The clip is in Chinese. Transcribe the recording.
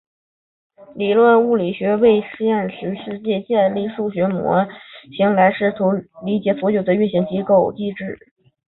理论物理学通过为现实世界建立数学模型来试图理解所有物理现象的运行机制。